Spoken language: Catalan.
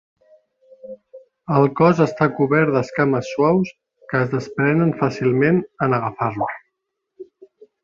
El cos està cobert d'escames suaus que es desprenen fàcilment en agafar-lo.